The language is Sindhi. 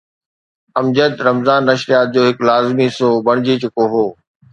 امجد رمضان نشريات جو هڪ لازمي حصو بڻجي چڪو هو.